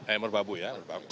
eh merbabu ya